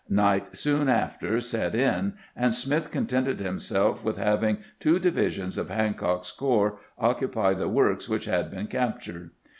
Night soon after set in, and Smith contented himself with having two divisions of Hancock's corps occupy the works which had been cap tured.